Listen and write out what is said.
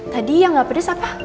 tadi yang gak pedes apa